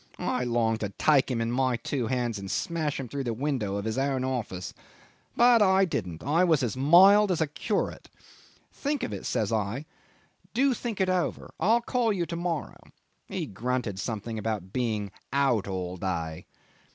I longed to take him in my two hands and smash him through the window of his own office. But I didn't. I was as mild as a curate. 'Think of it,' says I. 'Do think it over. I'll call to morrow.' He grunted something about being 'out all day.